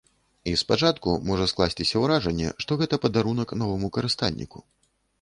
І спачатку можа скласціся ўражанне, што гэта падарунак новаму карыстальніку.